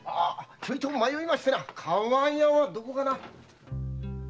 ちょいと迷いましてな厠はどこかな。